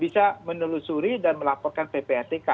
bisa menelusuri dan melaporkan ppatk